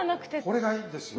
これがいいんですよ